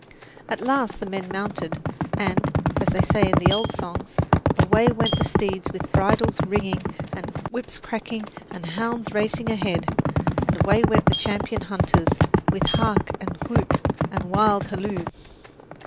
At last the men mounted, and, as they say in the old songs, away went the steeds with bridles ringing and whips cracking and hounds racing ahead, and away went the champion hunters "with hark and whoop and wild halloo!"